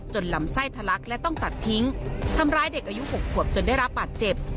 ลำไส้ทะลักและต้องตัดทิ้งทำร้ายเด็กอายุ๖ขวบจนได้รับบาดเจ็บ